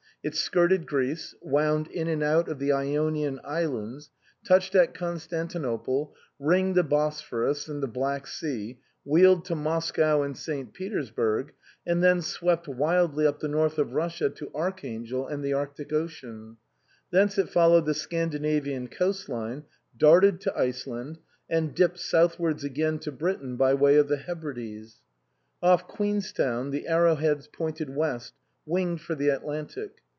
It skirted Greece, wound in and out of the Ionian islands, touched at Con stantinople, ringed the Bosphorous and the Black Sea, wheeled to Moscow and St. Peters burg, and then swept wildly up the north of Russia to Archangel and the Arctic Ocean ; thence it followed the Scandinavian coast line, darted to Iceland, and dipped southwards again to Britain by way of the Hebrides. Off Queenstown the arrowheads pointed west, winged for the Atlantic.